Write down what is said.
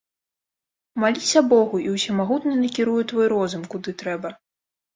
Маліся богу, і ўсемагутны накіруе твой розум, куды трэба.